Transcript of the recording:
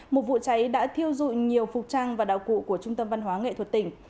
một vụ cháy đã thiêu dụi nhiều phục trang và đạo cụ của trung tâm văn hóa nghệ thuật tỉnh